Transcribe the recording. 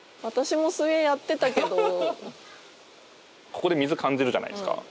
ここで水感じるじゃないですか。